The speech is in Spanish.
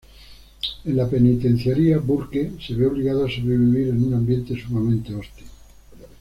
En la penitenciaría, Burke se ve obligado a sobrevivir en un ambiente sumamente hostil.